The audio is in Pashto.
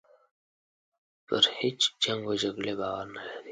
پر هیچ جنګ و جګړې باور نه لري.